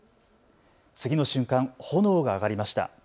次の瞬間、炎が上がりました。